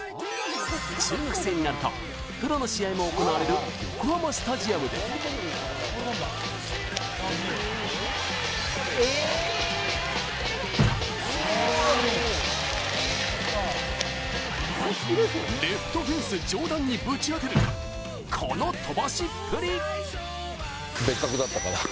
中学生になると、プロの試合も行われる横浜スタジアムでレフトフェンス上段にぶち当てる、この飛ばしっぷり。